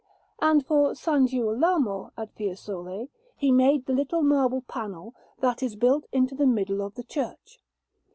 And for S. Girolamo, at Fiesole, he made the little marble panel that is built into the middle of the church.